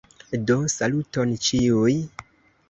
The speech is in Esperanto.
Do, saluton ĉiuj.